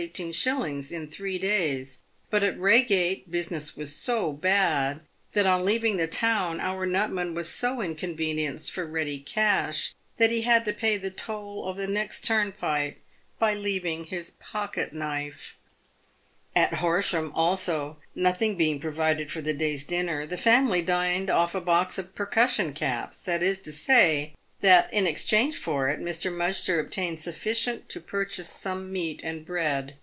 in the three days, but at Eeigate business was so bad that, on leaving the town, our nutman was so inconvenienced for ready cash that he had to pay the toll of the next turnpike by leaving his pocket knife. At Horsham, also, nothing being provided for the day's dinner, the family dined off a box of percussion caps — that is to say, that in exchange for it Mr. Mudgster obtained sufficient to purchase some meat and bread.